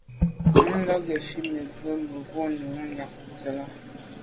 Mɛ́n la' gə̀ fít nə̀ bə́ gə̀brǒ nû myɑ̂k zə̀ lá'.